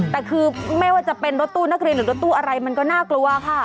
แต่คือไม่ว่าจะเป็นรถตู้นักเรียนหรือรถตู้อะไรมันก็น่ากลัวค่ะ